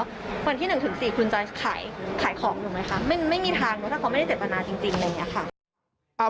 วันที่๑๔คุณจะขายของอยู่ไหมคะ